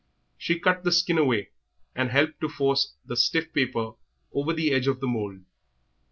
She cut the skin away, and helped to force the stiff paper over the edge of the mould.